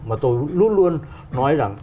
mà tôi luôn luôn nói rằng